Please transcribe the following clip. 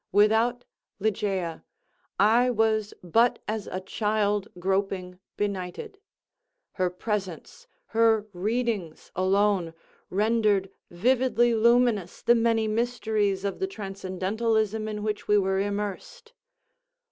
Without Ligeia I was but as a child groping benighted. Her presence, her readings alone, rendered vividly luminous the many mysteries of the transcendentalism in which we were immersed.